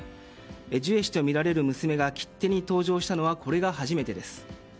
ジュエ氏とみられる娘が切手に登場したのはこれが初めてです。